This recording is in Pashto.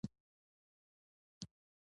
جبار خان مې وپوښت هغه چېرې دی؟